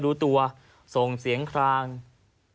ระยียังไง